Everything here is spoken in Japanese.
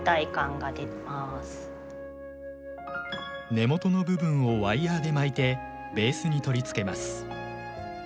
根元の部分をワイヤーで巻いてベースに取り付けます。